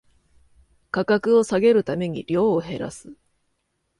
価格を下げるために量を減らす